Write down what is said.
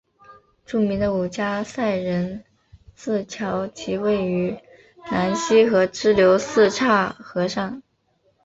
著名的五家寨人字桥即位于南溪河支流四岔河上。